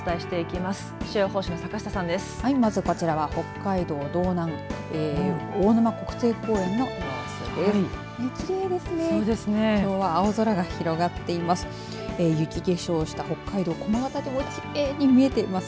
まず、こちらは北海道道南大沼国定公園の今の様子です。